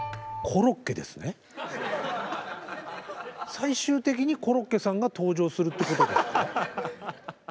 最終的にコロッケさんが登場するってことですか？